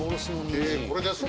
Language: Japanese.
これです。